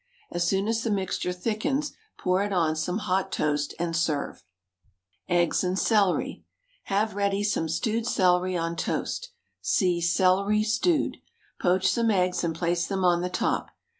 As soon as the mixture thickens pour it on some hot toast, and serve. EGGS AND CELERY. Have ready some stewed celery on toast. (See CELERY, STEWED.) Poach some eggs and place them on the top.